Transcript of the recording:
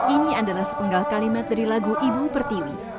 ini adalah sepenggal kalimat dari lagu ibu pertiwi